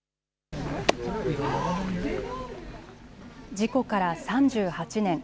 事故から３８年。